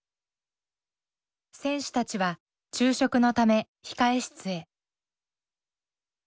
選手たちは昼食のため控え室へ。